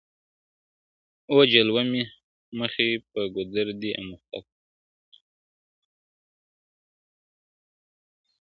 o جلوه مخي په گودر دي اموخته کړم.